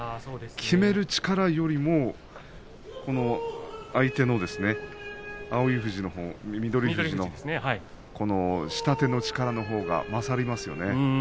きめる力よりも相手の翠富士の下手の力のほうが勝りますよね。